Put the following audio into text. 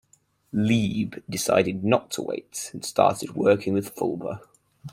Leeb decided not to wait and started working with Fulber.